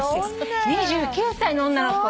２９歳の女の子。